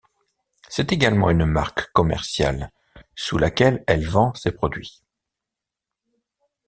C'est également une marque commerciale sous laquelle elle vend ses produits.